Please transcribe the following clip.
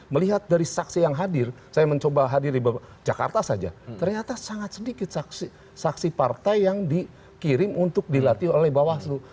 melihat dari saksi yang hadir saya mencoba hadir di jakarta saja ternyata sangat sedikit saksi partai yang dikirim untuk dilatih oleh bawaslu